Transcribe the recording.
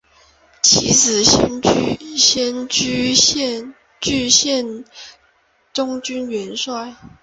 其子先且居继任晋中军元帅。